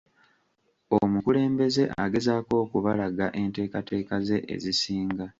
Omukulembeze agezaako okubalaga enteekateeka ze ezisinga.